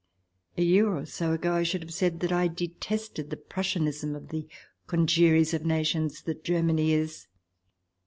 ... A year or so ago I should have said that I detested the Prussianism of the congeries of nations that Germany is.